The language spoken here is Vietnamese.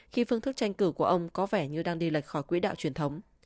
khi phương thức tranh cử của ông có vẻ như đang đi lệch khỏi quỹ đạo truyền thống